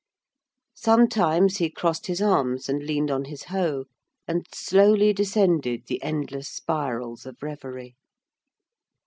Sometimes he crossed his arms and leaned on his hoe, and slowly descended the endless spirals of reverie.